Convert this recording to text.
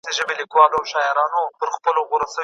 تاسو بايد د مطالعې په مرسته خپل ځان وپېژنئ.